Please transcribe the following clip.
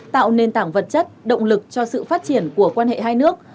tạo nền tảng vật chất động lực cho sự phát triển của quan hệ hai nước